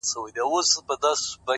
هغه زما زړه ته د کلو راهيسې لار کړې ده!